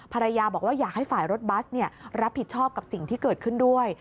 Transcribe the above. ภรรยาบอกว่าอยากให้ฝ่ายรถบัสรับผิดชอบกับสิ่งที่เกิดขึ้นด้วย